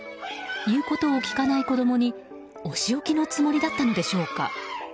言うことを聞かない子供にお仕置きのつもりだったのでしょうか。